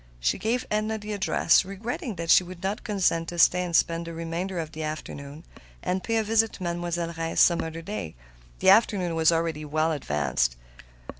She gave Edna the address, regretting that she would not consent to stay and spend the remainder of the afternoon, and pay a visit to Mademoiselle Reisz some other day. The afternoon was already well advanced.